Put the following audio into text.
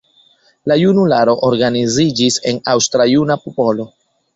La junularo organiziĝis en Aŭstra Juna Popolo.